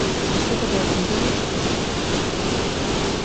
І што тады атрымліваецца?